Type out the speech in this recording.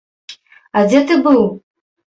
А дзе ты быў?